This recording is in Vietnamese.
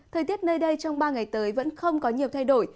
thời tiết nơi đây trong ba ngày tới vẫn không có nhiều thay đổi